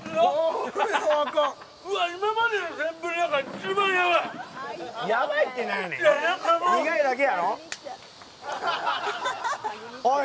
今までのセンブリの中で一番やばい。